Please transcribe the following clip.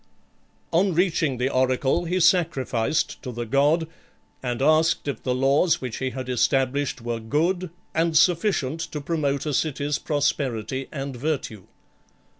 On reaching the oracle, he sacrificed to the god, and asked if the laws which he had established were good, and sufficient to promote acity's prosperity and virtue.